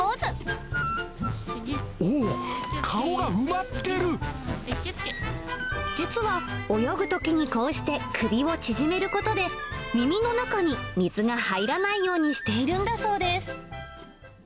おー、実は、泳ぐときにこうして首を縮めることで、耳の中に水が入らないようにしているんだそうです。